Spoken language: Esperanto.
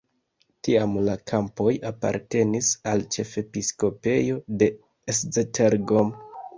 Tiam la kampoj apartenis al ĉefepiskopejo de Esztergom.